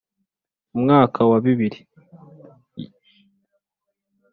mu mwaka wa bibiri